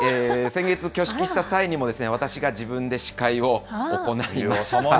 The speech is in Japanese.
先月挙式した際も、私が自分で司会を行いました。